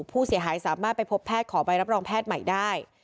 ผู้เสียหายสามารถไปพบแพทย์ขอใบรับรองแพทย์ใหม่ได้